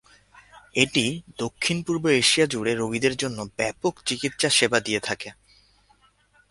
এটি দক্ষিণ-পূর্ব এশিয়া জুড়ে রোগীদের জন্য ব্যাপক চিকিৎসা সেবা দিয়ে থাকে।